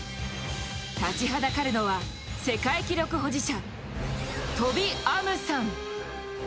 立ちはだかるのは世界記録保持者トビ・アムサン。